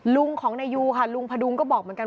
ลุงของนายยูค่ะลุงพดุงก็บอกเหมือนกัน